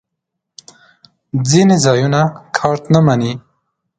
ځینې ځایونه کارت نه منی